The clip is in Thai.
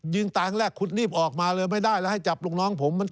ตางแรกคุณรีบออกมาเลยไม่ได้แล้วให้จับลูกน้องผม